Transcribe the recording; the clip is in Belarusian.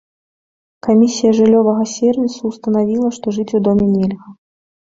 Камісія жыллёвага сервісу ўстанавіла, што жыць у доме нельга.